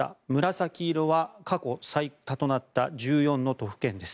紫色は過去最多となった１４の都府県です。